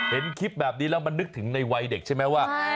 เห็นคลิปแบบนี้แล้วมันนึกถึงในวัยเด็กใช่ไหมว่า